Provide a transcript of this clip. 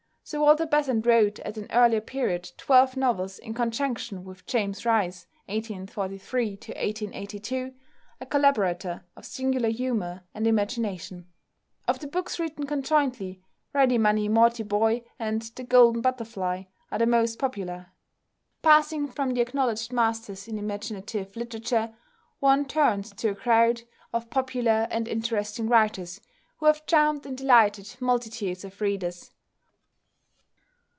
Sir Walter Besant wrote at an earlier period twelve novels in conjunction with =James Rice (1843 1882)=, a collaborator of singular humour and imagination. Of the books written conjointly, "Ready Money Mortiboy" and "The Golden Butterfly" are the most popular. Passing from the acknowledged masters in imaginative literature, one turns to a crowd of popular and interesting writers who have charmed and delighted multitudes of readers.